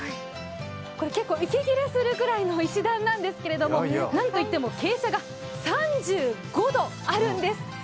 これ、結構、息切れするくらいの石段なんですけど、なんといっても傾斜が３５度あるんです。